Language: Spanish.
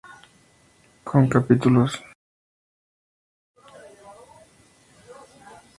Pista polideportiva descubierta para frontón, fútbol sala y baloncesto.